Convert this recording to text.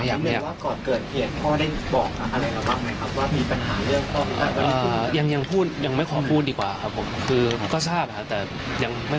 อาการคุณแม่เมื่อกี้เป็นอย่างไร